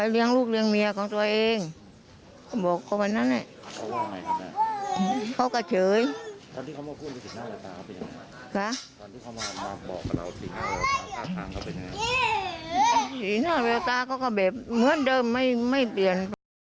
สิตินทานวิทยาตาก็เหมือนเดิมไม่เปลี่ยน